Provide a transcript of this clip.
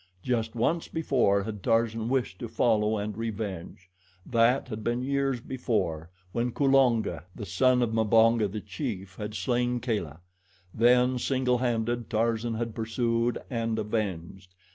Just once before had Tarzan wished to follow and revenge. That had been years before when Kulonga, the son of Mbonga, the chief, had slain Kala. Then, single handed, Tarzan had pursued and avenged.